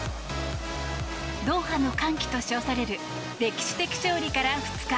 ドーハの歓喜と称される歴史的勝利から２日。